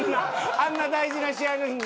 あんな大事な試合の日に。